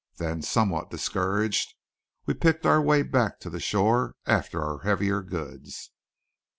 Then, somewhat discouraged, we picked our way back to the shore after our heavier goods.